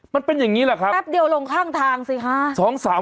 มันเป็นอย่างนี้แหละครับแป๊บเดียวลงข้างทางสิคะ